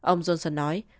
ông johnson nói